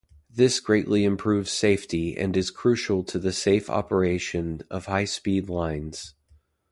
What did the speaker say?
This greatly improves safety and is crucial to the safe operation of high-speed lines.